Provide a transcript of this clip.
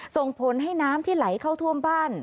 ส่งผลให้น้ำที่ไหลเข้าท่วมบ้าน